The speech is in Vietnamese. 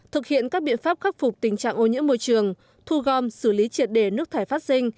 thực hiện các biện pháp khắc phục tình trạng ô nhiễm môi trường thu gom xử lý triệt đề nước thải phát sinh